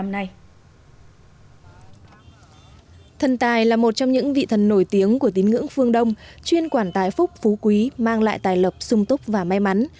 một trong những vị thần nổi tiếng của tín ngưỡng phương đông chuyên quản tài phúc phú quý mang lại tài lập sung túc và may mắn